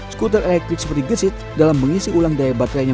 sekuter elektrik seperti gesits dalam mengisi ulang daya baterainya